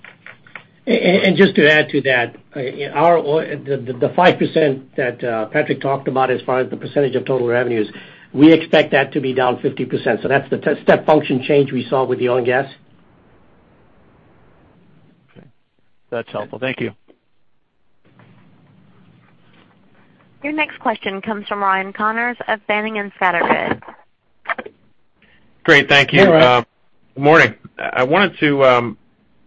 Just to add to that. The 5% that Patrick talked about as far as the percentage of total revenues, we expect that to be down 50%. That's the step function change we saw with the oil and gas. Okay. That's helpful. Thank you. Your next question comes from Ryan Connors of Boenning & Scattergood. Great. Thank you. Hey, Ryan. Morning. I wanted to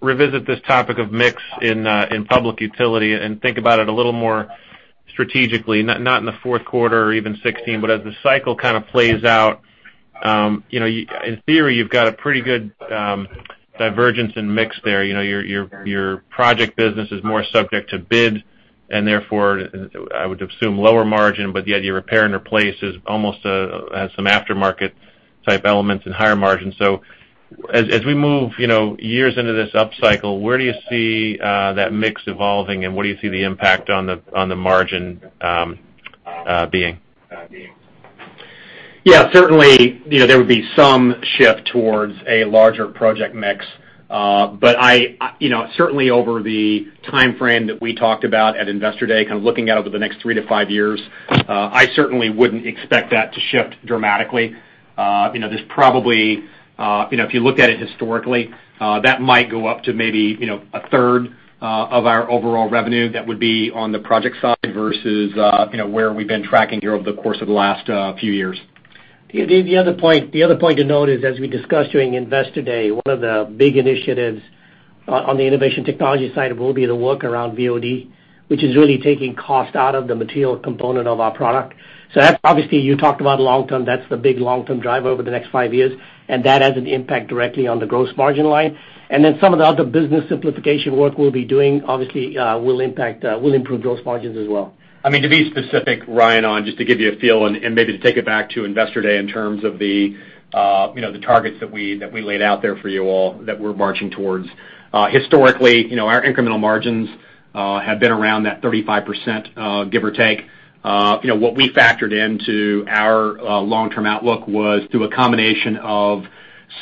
revisit this topic of mix in public utility and think about it a little more strategically, not in the fourth quarter or even 2016, but as the cycle kind of plays out. In theory, you've got a pretty good divergence in mix there. Your project business is more subject to bid, and therefore, I would assume lower margin, but the idea of repair and replace almost has some aftermarket type elements and higher margin. As we move years into this upcycle, where do you see that mix evolving, and what do you see the impact on the margin being? Yeah, certainly, there would be some shift towards a larger project mix. Certainly over the timeframe that we talked about at Investor Day, kind of looking out over the next 3-5 years, I certainly wouldn't expect that to shift dramatically. If you look at it historically, that might go up to maybe a third of our overall revenue that would be on the project side versus where we've been tracking here over the course of the last few years. The other point to note is, as we discussed during Investor Day, one of the big initiatives on the innovation technology side will be the work around BOD, which is really taking cost out of the material component of our product. That's obviously, you talked about long term, that's the big long-term driver over the next 5 years, and that has an impact directly on the gross margin line. Some of the other business simplification work we'll be doing obviously will improve gross margins as well. To be specific, Ryan, on just to give you a feel and maybe to take it back to Investor Day in terms of the targets that we laid out there for you all that we're marching towards. Historically, our incremental margins have been around that 35%, give or take. What we factored into our long-term outlook was through a combination of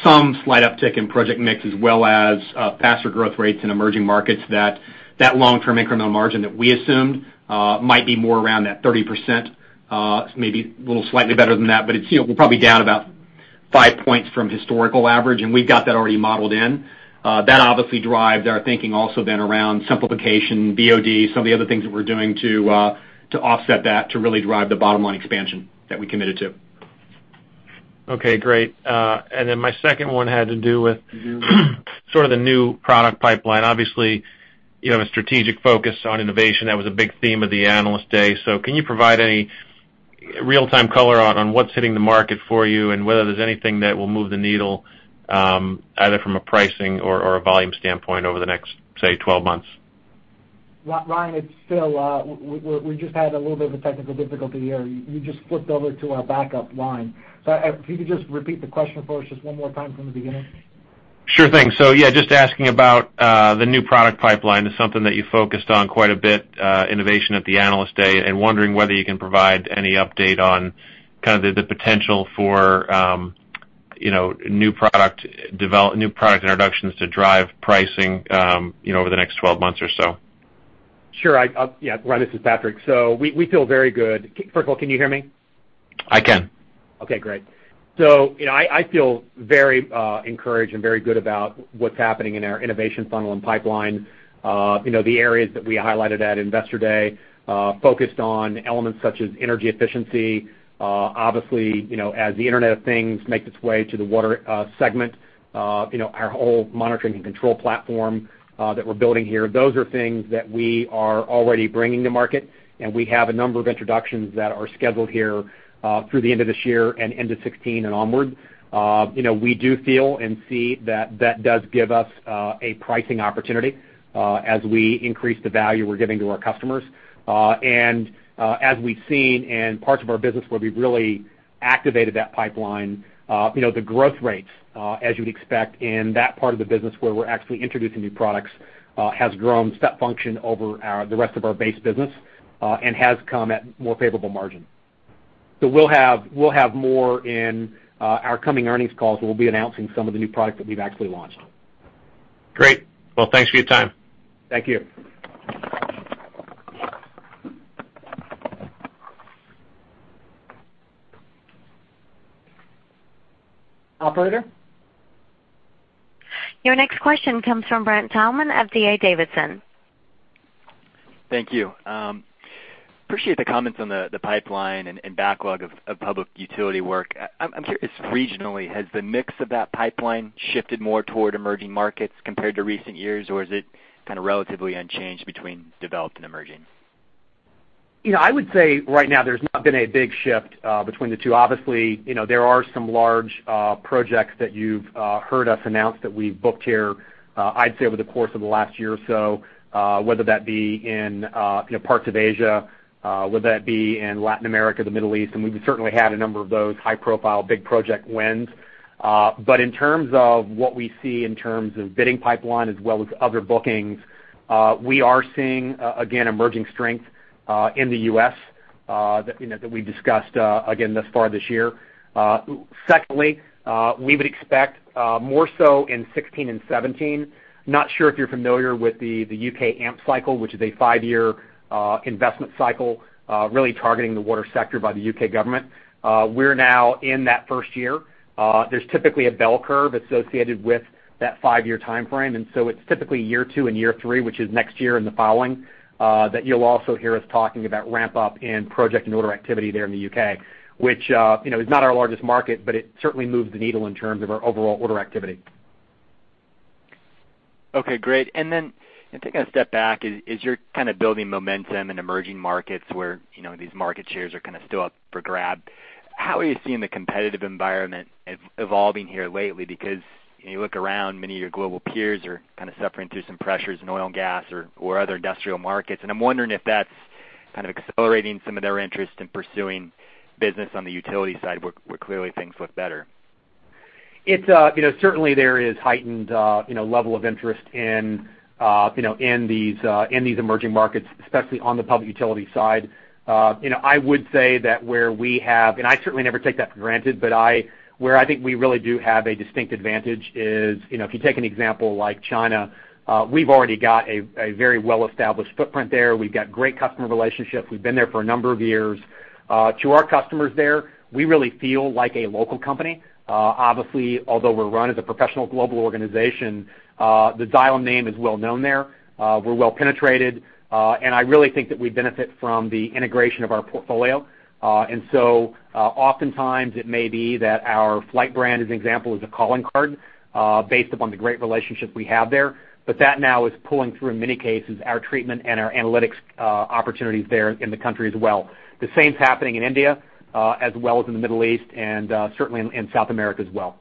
some slight uptick in project mix as well as faster growth rates in emerging markets, that long-term incremental margin that we assumed might be more around that 30%, maybe a little slightly better than that, but we're probably down about five points from historical average, and we've got that already modeled in. That obviously drives our thinking also then around simplification, BOD, some of the other things that we're doing to offset that to really drive the bottom-line expansion that we committed to. Okay, great. My second one had to do with sort of the new product pipeline. Obviously, you have a strategic focus on innovation. That was a big theme of the Analyst Day. Can you provide any real-time color on what's hitting the market for you and whether there's anything that will move the needle, either from a pricing or a volume standpoint over the next, say, 12 months? Ryan, it's Phil. We just had a little bit of a technical difficulty here. You just flipped over to our backup line. If you could just repeat the question for us just one more time from the beginning. Sure thing. Just asking about the new product pipeline is something that you focused on quite a bit, innovation at the Analyst Day, wondering whether you can provide any update on kind of the potential for new product introductions to drive pricing over the next 12 months or so. Sure. Ryan, this is Patrick. We feel very good. First of all, can you hear me? I can. Great. I feel very encouraged and very good about what's happening in our innovation funnel and pipeline. The areas that we highlighted at Investor Day focused on elements such as energy efficiency. Obviously, as the Internet of Things makes its way to the water segment, our whole monitoring and control platform that we're building here, those are things that we are already bringing to market, and we have a number of introductions that are scheduled here through the end of this year and into 2016 and onwards. We do feel and see that that does give us a pricing opportunity as we increase the value we're giving to our customers. As we've seen in parts of our business where we've really activated that pipeline, the growth rates, as you'd expect in that part of the business where we're actually introducing new products, has grown step function over the rest of our base business and has come at more favorable margin. We'll have more in our coming earnings calls, and we'll be announcing some of the new products that we've actually launched. Great. Thanks for your time. Thank you. Operator? Your next question comes from Brent Thielman of D.A. Davidson. Thank you. Appreciate the comments on the pipeline and backlog of public utility work. I'm curious, regionally, has the mix of that pipeline shifted more toward emerging markets compared to recent years, or is it kind of relatively unchanged between developed and emerging? I would say right now there's not been a big shift between the two. Obviously, there are some large projects that you've heard us announce that we've booked here, I'd say over the course of the last year or so, whether that be in parts of Asia, whether that be in Latin America, the Middle East, and we've certainly had a number of those high-profile, big project wins. In terms of what we see in terms of bidding pipeline as well as other bookings, we are seeing, again, emerging strength in the U.S. that we discussed again thus far this year. Secondly, we would expect more so in 2016 and 2017. Not sure if you're familiar with the U.K. AMP cycle, which is a five-year investment cycle really targeting the water sector by the U.K. government. We're now in that first year. There's typically a bell curve associated with that five-year timeframe. It's typically year two and year three, which is next year and the following, that you'll also hear us talking about ramp-up in project and order activity there in the U.K., which is not our largest market, but it certainly moves the needle in terms of our overall order activity. Okay, great. Taking a step back, as you're kind of building momentum in emerging markets where these market shares are still up for grabs, how are you seeing the competitive environment evolving here lately? Because when you look around, many of your global peers are kind of suffering through some pressures in oil and gas or other industrial markets. I'm wondering if that's kind of accelerating some of their interest in pursuing business on the utility side, where clearly things look better. Certainly there is heightened level of interest in these emerging markets, especially on the public utility side. I would say that where we have, and I certainly never take that for granted, but where I think we really do have a distinct advantage is, if you take an example like China, we've already got a very well-established footprint there. We've got great customer relationships. We've been there for a number of years. To our customers there, we really feel like a local company. Obviously, although we're run as a professional global organization, the Xylem name is well-known there. We're well-penetrated. I really think that we benefit from the integration of our portfolio. Oftentimes it may be that our Flygt brand, as an example, is a calling card based upon the great relationship we have there. That now is pulling through, in many cases, our treatment and our analytics opportunities there in the country as well. The same is happening in India as well as in the Middle East and certainly in South America as well.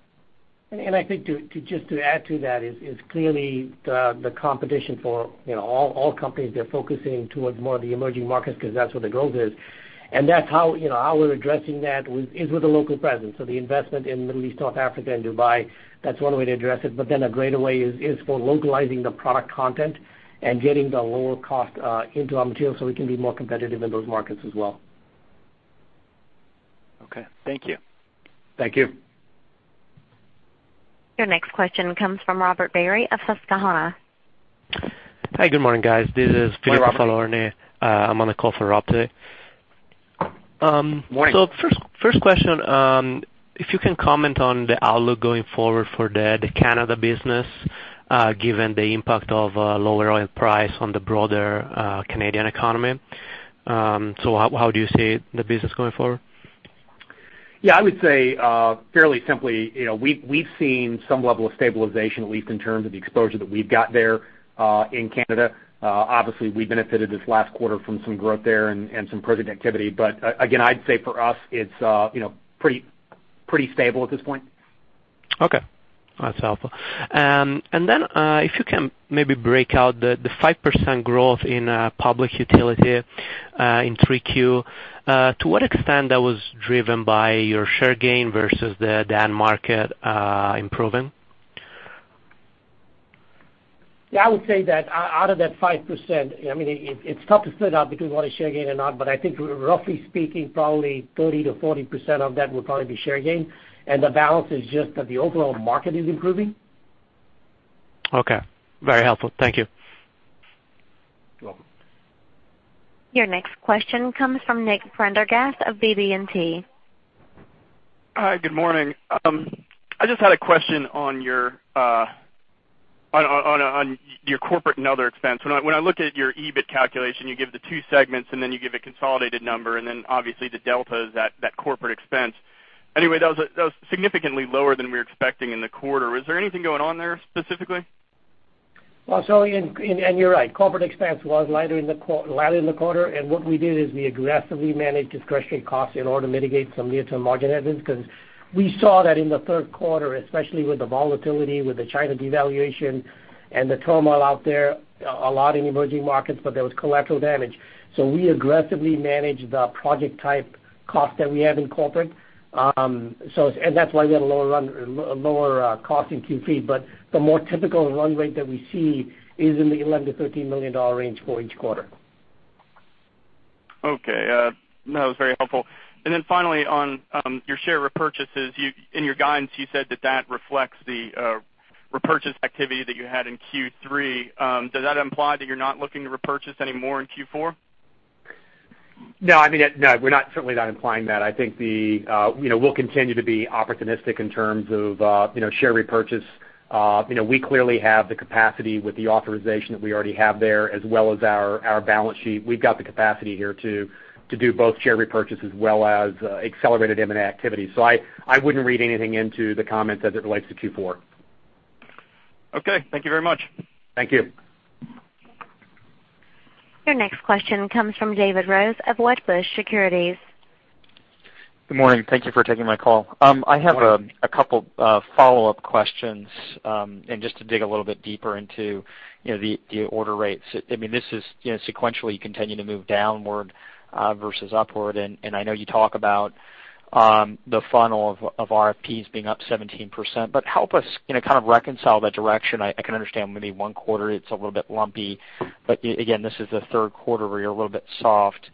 I think just to add to that is clearly the competition for all companies, they're focusing towards more of the emerging markets because that's where the growth is. How we're addressing that is with a local presence. The investment in Middle East, North Africa, and Dubai, that's one way to address it. A greater way is for localizing the product content and getting the lower cost into our material so we can be more competitive in those markets as well. Okay. Thank you. Thank you. Your next question comes from Robert Barry of Susquehanna. Hi. Good morning, guys. This is Philippe Falorni. I'm on the call for Rob today. Morning. First question, if you can comment on the outlook going forward for the Canada business, given the impact of lower oil price on the broader Canadian economy. How do you see the business going forward? Yeah, I would say fairly simply, we've seen some level of stabilization, at least in terms of the exposure that we've got there in Canada. Obviously, we benefited this last quarter from some growth there and some project activity. Again, I'd say for us it's pretty stable at this point. Okay. That's helpful. If you can maybe break out the 5% growth in public utility in 3Q. To what extent that was driven by your share gain versus the end market improving? Yeah, I would say that out of that 5%, it's tough to split out between what is share gain or not, but I think roughly speaking, probably 30%-40% of that would probably be share gain. The balance is just that the overall market is improving. Okay. Very helpful. Thank you. You're welcome. Your next question comes from Nicholas Prendergast of BB&T. Hi. Good morning. I just had a question on your corporate and other expense. When I look at your EBIT calculation, you give the two segments, you give a consolidated number, obviously the delta is that corporate expense. That was significantly lower than we were expecting in the quarter. Is there anything going on there specifically? You're right, corporate expense was lighter in the quarter. What we did is we aggressively managed discretionary costs in order to mitigate some near-term margin headwinds, because we saw that in the third quarter, especially with the volatility, with the China devaluation and the turmoil out there, a lot in emerging markets, but there was collateral damage. We aggressively managed the project type cost that we have in corporate. That's why we had a lower cost in Q3. The more typical run rate that we see is in the $11 million-$13 million range for each quarter. Okay. That was very helpful. Finally on your share repurchases, in your guidance, you said that that reflects the repurchase activity that you had in Q3. Does that imply that you're not looking to repurchase any more in Q4? No, we're certainly not implying that. I think we'll continue to be opportunistic in terms of share repurchase. We clearly have the capacity with the authorization that we already have there as well as our balance sheet. We've got the capacity here to do both share repurchase as well as accelerated M&A activity. I wouldn't read anything into the comments as it relates to Q4. Okay. Thank you very much. Thank you. Your next question comes from David Rose of Wedbush Securities. Good morning. Thank you for taking my call. Good morning. I have a couple of follow-up questions. Just to dig a little bit deeper into the order rates, this is sequentially continuing to move downward versus upward. I know you talk about the funnel of RFPs being up 17%, but help us kind of reconcile that direction. I can understand maybe one quarter it's a little bit lumpy, but again, this is the third quarter where you're a little bit soft.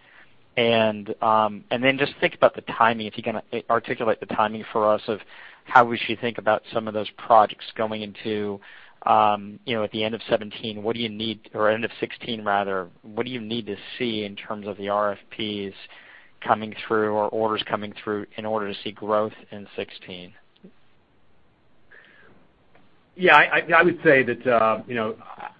Just think about the timing. If you can articulate the timing for us of how we should think about some of those projects going into at the end of 2017, or end of 2016 rather, what do you need to see in terms of the RFPs coming through or orders coming through in order to see growth in 2016? I would say that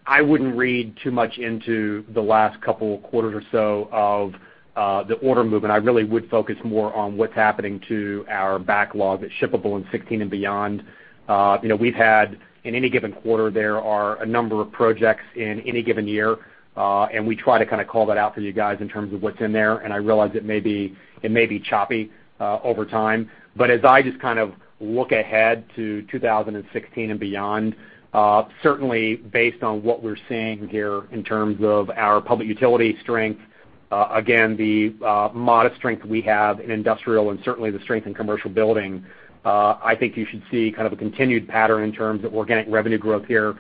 I wouldn't read too much into the last couple of quarters or so of the order movement. I really would focus more on what's happening to our backlog that's shippable in 2016 and beyond. We've had, in any given quarter, there are a number of projects in any given year, and we try to kind of call that out for you guys in terms of what's in there. I realize it may be choppy over time. As I just kind of look ahead to 2016 and beyond, certainly based on what we're seeing here in terms of our public utility strength, again, the modest strength we have in industrial and certainly the strength in commercial building, I think you should see kind of a continued pattern in terms of organic revenue growth here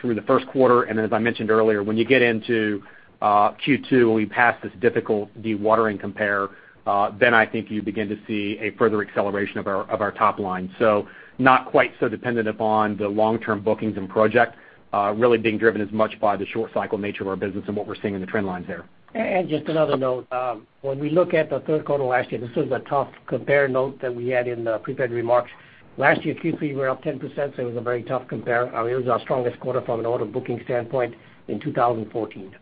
through the first quarter. As I mentioned earlier, when you get into Q2, when we pass this difficult dewatering compare, I think you begin to see a further acceleration of our top line. Not quite so dependent upon the long-term bookings and project, really being driven as much by the short cycle nature of our business and what we're seeing in the trend lines there. Just another note. When we look at the third quarter last year, this was a tough compare note that we had in the prepared remarks. Last year, Q3, we were up 10%, so it was a very tough compare. It was our strongest quarter from an order booking standpoint in 2014.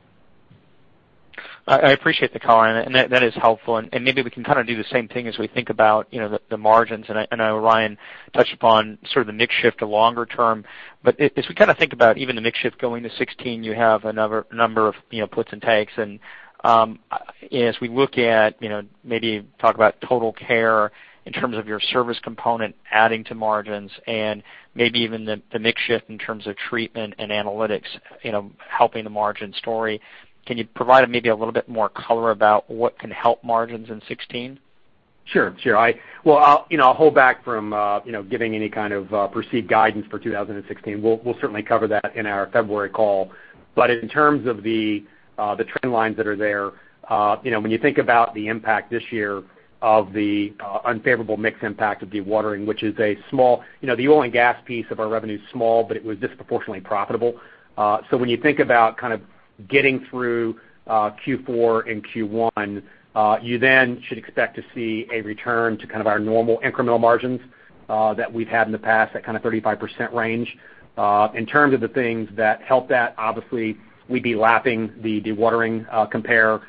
I appreciate the color, and that is helpful. Maybe we can do the same thing as we think about the margins. I know Ryan touched upon sort of the mix shift to longer term. As we think about even the mix shift going to 2016, you have a number of puts and takes. As we look at, maybe talk about TotalCare in terms of your service component adding to margins and maybe even the mix shift in terms of treatment and analytics helping the margin story. Can you provide maybe a little bit more color about what can help margins in 2016? Sure. I'll hold back from giving any kind of perceived guidance for 2016. We'll certainly cover that in our February call. In terms of the trend lines that are there, when you think about the impact this year of the unfavorable mix impact of dewatering, the oil and gas piece of our revenue is small, but it was disproportionately profitable. When you think about kind of getting through Q4 and Q1, you then should expect to see a return to kind of our normal incremental margins that we've had in the past, that kind of 35% range. In terms of the things that help that, obviously, we'd be lapping the dewatering compare.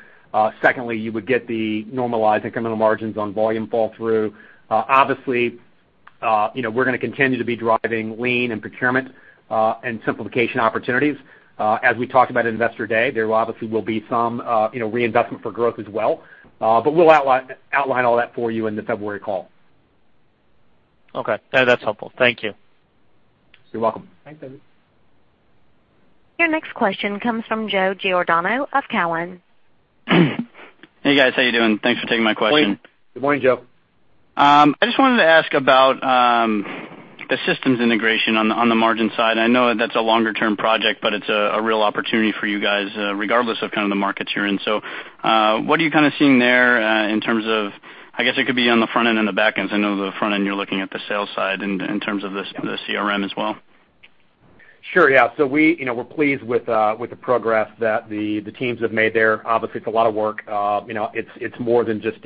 Secondly, you would get the normalized incremental margins on volume fall through. Obviously, we're going to continue to be driving lean and procurement, and simplification opportunities. As we talked about at Investor Day, there obviously will be some reinvestment for growth as well. We'll outline all that for you in the February call. Okay. That's helpful. Thank you. You're welcome. Thanks, David. Your next question comes from Joe Giordano of Cowen. Hey, guys. How you doing? Thanks for taking my question. Good morning, Joe. I just wanted to ask about the systems integration on the margin side. I know that's a longer-term project, but it's a real opportunity for you guys, regardless of kind of the markets you're in. What are you kind of seeing there in terms of, I guess it could be on the front end and the back end, because I know the front end, you're looking at the sales side in terms of the CRM as well. Sure. Yeah. We're pleased with the progress that the teams have made there. Obviously, it's a lot of work. It's more than just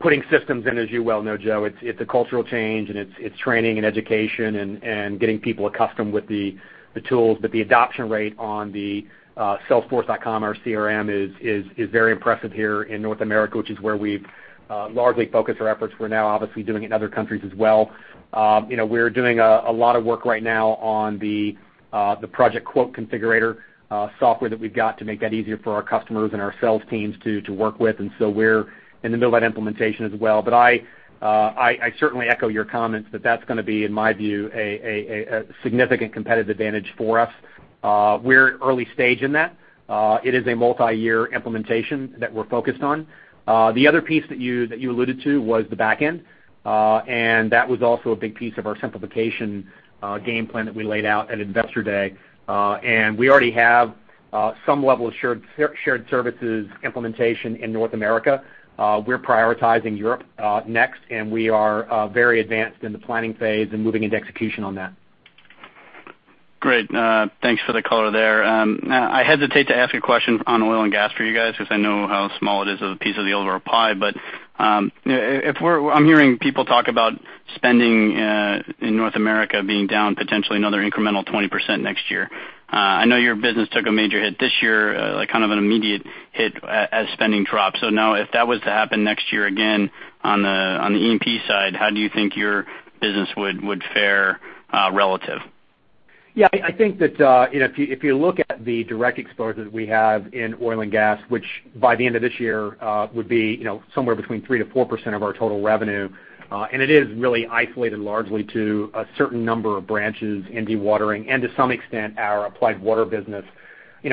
putting systems in, as you well know, Joe. It's a cultural change, and it's training and education and getting people accustomed with the tools. The adoption rate on the Salesforce, our CRM, is very impressive here in North America, which is where we've largely focused our efforts. We're now obviously doing it in other countries as well. We're doing a lot of work right now on the project quote configurator software that we've got to make that easier for our customers and our sales teams to work with. We're in the middle of that implementation as well. I certainly echo your comments that that's gonna be, in my view, a significant competitive advantage for us. We're early stage in that. It is a multi-year implementation that we're focused on. The other piece that you alluded to was the back end. That was also a big piece of our simplification game plan that we laid out at Investor Day. We already have some level of shared services implementation in North America. We're prioritizing Europe next, we are very advanced in the planning phase and moving into execution on that. Great. Thanks for the color there. I hesitate to ask a question on oil and gas for you guys because I know how small it is as a piece of the overall pie. I'm hearing people talk about spending in North America being down potentially another incremental 20% next year. I know your business took a major hit this year, like kind of an immediate hit as spending drops. Now, if that was to happen next year again on the E&P side, how do you think your business would fare relative? I think that if you look at the direct exposure that we have in oil and gas, which by the end of this year would be somewhere between 3% to 4% of our total revenue, it is really isolated largely to a certain number of branches in dewatering and to some extent, our applied water business.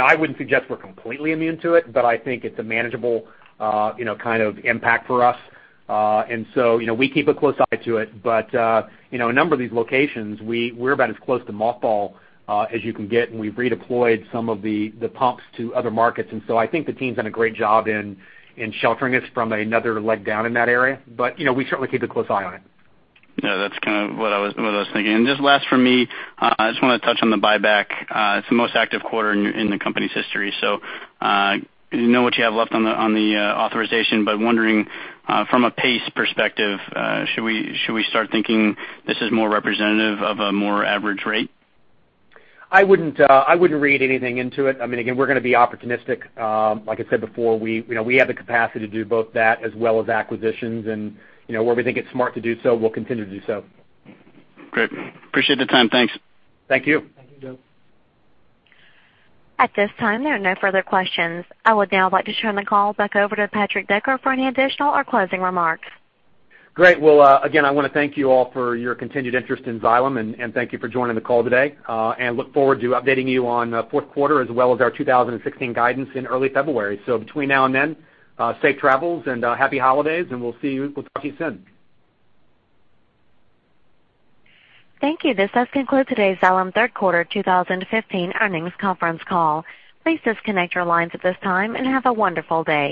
I wouldn't suggest we're completely immune to it, but I think it's a manageable kind of impact for us. We keep a close eye to it. A number of these locations, we're about as close to mothball as you can get, we've redeployed some of the pumps to other markets. I think the team's done a great job in sheltering us from another leg down in that area. We certainly keep a close eye on it. That's kind of what I was thinking. Just last for me, I just want to touch on the buyback. It's the most active quarter in the company's history. You know what you have left on the authorization, wondering from a pace perspective, should we start thinking this is more representative of a more average rate? I wouldn't read anything into it. Again, we're gonna be opportunistic. Like I said before, we have the capacity to do both that as well as acquisitions, and where we think it's smart to do so, we'll continue to do so. Great. Appreciate the time. Thanks. Thank you. Thank you, Joe. At this time, there are no further questions. I would now like to turn the call back over to Patrick Decker for any additional or closing remarks. Great. Well, again, I want to thank you all for your continued interest in Xylem, and thank you for joining the call today, and look forward to updating you on fourth quarter as well as our 2016 guidance in early February. Between now and then, safe travels and happy holidays, and we'll talk to you soon. Thank you. This does conclude today's Xylem Third Quarter 2015 Earnings Conference Call. Please disconnect your lines at this time, and have a wonderful day.